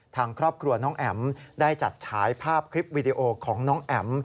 ทางครอบครัวน้องแอ๋มได้จัดฉายภาพคลิปวีดีโอของน้องแอ๋ม